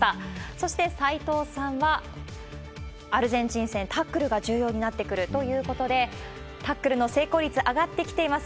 そして斉藤さんは、アルゼンチン戦、タックルが重要になってくるということで、タックルの成功率上がってきています